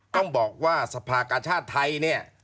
ต้องบอกว่าสภากชาติไทยเนี่ย